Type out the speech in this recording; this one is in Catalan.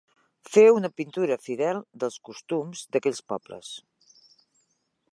Fer una pintura fidel dels costums d'aquells pobles.